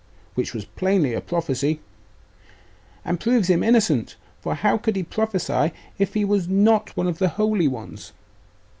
'Which was plainly a prophecy!' 'And proves him innocent; for how could he prophesy if he was not one of the holy ones?